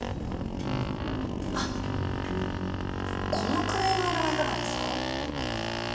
あこのくらいのお色はいかがですか？